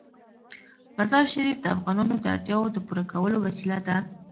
مزارشریف د افغانانو د اړتیاوو د پوره کولو وسیله ده.